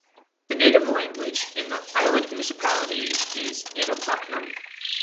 The native language in the island-municipality is Inabaknon.